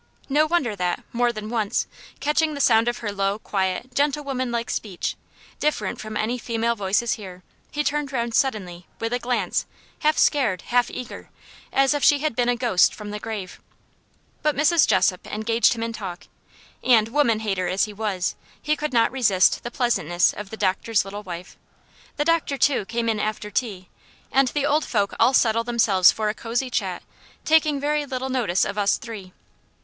No wonder that, more than once, catching the sound of her low, quiet, gentlewomanlike speech, different from any female voices here, he turned round suddenly with a glance, half scared, half eager, as if she had been a ghost from the grave. But Mrs. Jessop engaged him in talk, and, woman hater as he was, he could not resist the pleasantness of the doctor's little wife. The doctor, too, came in after tea, and the old folk all settled themselves for a cosy chat, taking very little notice of us three.